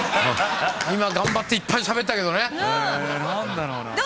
今頑張っていっぱいしゃべったけどねえっ何だろうな？